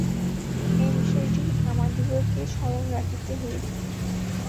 এই বিষয়টি আমাদিগকে স্মরণ রাখিতে হইবে।